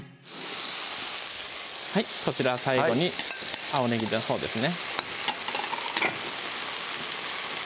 こちら最後に青ねぎのほうですね